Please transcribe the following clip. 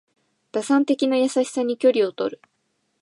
打算的な優しさに距離をとる